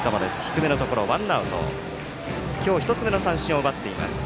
今日１つ目の三振を奪っています。